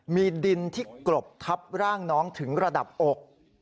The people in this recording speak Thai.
มีดินที่กรบทับร่างน้องถึงระดับอก